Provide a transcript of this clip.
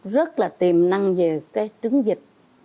rất là tiềm năng về cái trứng vịt